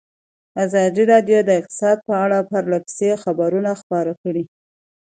ازادي راډیو د اقتصاد په اړه پرله پسې خبرونه خپاره کړي.